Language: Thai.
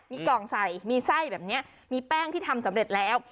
มีกล่องใส่มีไส้แบบนี้มีแป้งที่ทำสำเร็จแล้ว